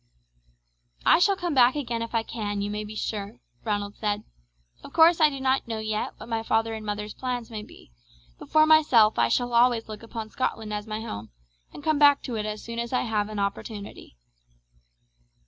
"I shall come back again if I can, you may be sure," Ronald said. "Of course I do not know yet what my father and mother's plans may be; but for myself I shall always look upon Scotland as my home, and come back to it as soon as I have an opportunity."